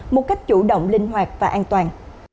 một cách chủ động linh hoạt và an toàn